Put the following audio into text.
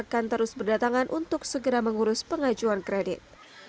akan terus berdatangan untuk segera mengurus pengajuan kredit